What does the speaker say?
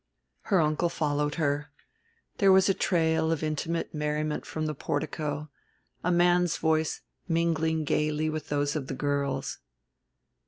Her uncle followed her. There was a trail of intimate merriment from the portico, a man's voice mingling gayly with those of the girls.